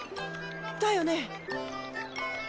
だよね？